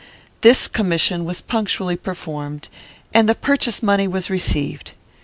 This commission was punctually performed, and the purchase money was received.